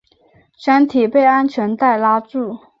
身体被安全带拉住